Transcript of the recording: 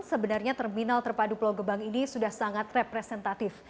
sebenarnya terminal terpadu pulau gebang ini sudah sangat representatif